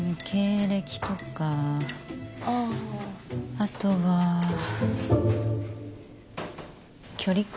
あとは距離感？